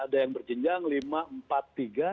ada yang lima berjenjang ada yang empat tiga